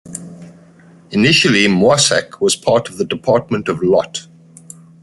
Initially Moissac was part of the department of Lot.